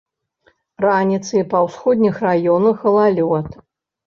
Раніцай па ўсходніх раёнах галалёд.